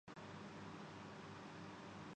کہ کوئی حکم نہیں لگایا جائے گا